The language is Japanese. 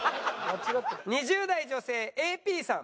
２０代女性ＡＰさん